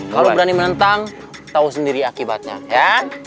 kalau berani menentang tau sendiri akibatnya ya